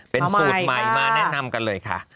เป็นสูตรใหม่มาแนะนำกันเลยค่ะ